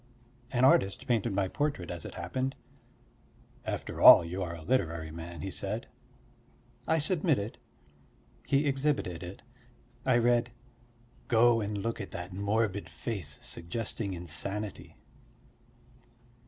An artist painted my portrait as it happened: "After all, you are a literary man," he said. I submitted, he exhibited it. I read: "Go and look at that morbid face suggesting insanity."